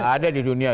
gak ada di dunia